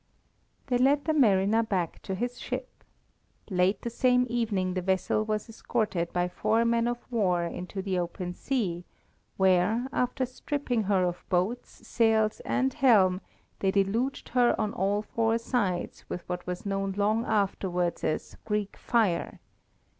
They led the mariner back to his ship. Late the same evening the vessel was escorted by four men of war into the open sea, where, after stripping her of boats, sails, and helm, they deluged her on all four sides with what was known long afterwards as Greek fire.